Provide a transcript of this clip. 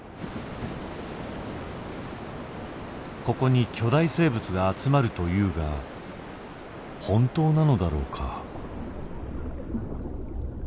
ここに巨大生物が集まるというが本当なのだろうか？